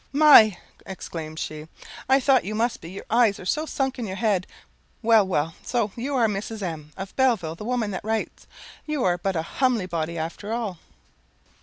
"My!" exclaimed she, "I thought you must be, your eyes are so sunk in your head. Well, well, so you are Mrs. M of Belleville, the woman that writes. You are but a humly body after all."